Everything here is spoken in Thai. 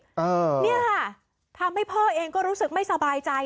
เนี่ยค่ะทำให้พ่อเองก็รู้สึกไม่สบายใจ